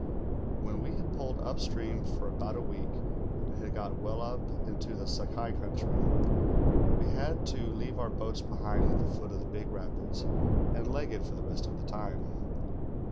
When we had poled upstream for about a week, and hatl got well up into the Sakai country, we had to leave our l)oats behind at the foot of the big rapids, and leg it for the rest of the lime.